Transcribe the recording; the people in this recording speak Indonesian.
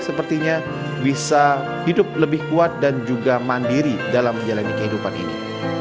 sepertinya bisa hidup lebih kuat dan juga mandiri dalam menjalani kehidupan ini